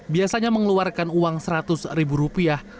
biasanya mengeluarkan uang seratus ribu rupiah